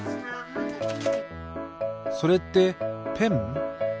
それってペン？